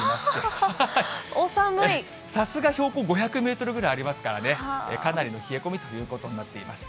さすが標高５００メートルぐらいありますからね、かなりの冷え込みということになっています。